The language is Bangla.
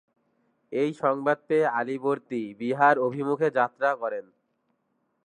এই সংবাদ পেয়ে আলীবর্দী বিহার অভিমুখে যাত্রা করেন।